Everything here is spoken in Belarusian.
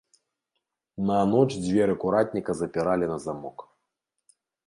На ноч дзверы куратніка запіралі на замок.